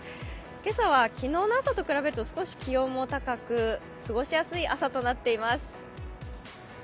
今朝は昨日の朝と比べると少し気温も高く過ごしやすい朝となっています。